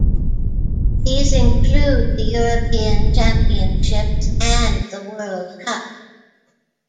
These include the European Championships and the World Cup.